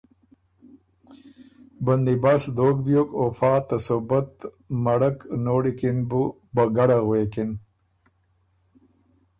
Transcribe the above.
بندیبست دوک بیوک او فا ته سوبت مړک نوړی کی ن بو ”بګړّه“ غوېکِن